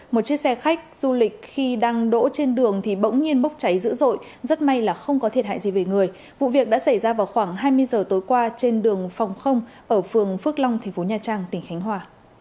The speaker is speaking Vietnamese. một chiếc xe khách du lịch khi đang đỗ trên đường thì bỗng nhiên bốc cháy dữ dội rất may là không có thiệt hại gì về người vụ việc đã xảy ra vào khoảng hai mươi giờ tối qua trên đường phòng không ở phường phước long thành phố nha trang tỉnh khánh hòa